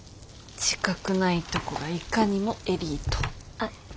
自覚ないとこがいかにもエリート。